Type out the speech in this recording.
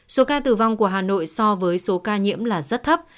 số ca tử vong của hà nội so với số ca nhiễm là rất thấp